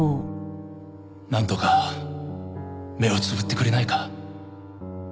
なんとか目をつぶってくれないか？